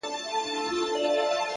هره لاسته راوړنه خپل قیمت لري!